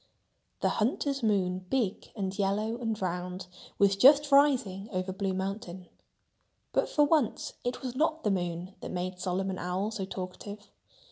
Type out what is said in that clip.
The hunter's moon, big and yellow and round, was just rising over Blue Mountain. But for once it was not the moon that made Solomon Owl so talkative.